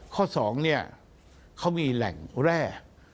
ข้อสองเขามีแหล่งแร่